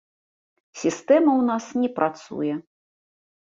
Сістэма ў нас не працуе.